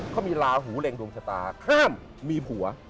เขามีลาหูเร็งดวงชะตาข้ามมีผัว